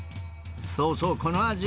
そうそう、この味。